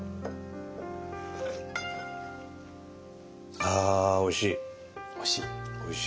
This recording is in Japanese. ああおいしい。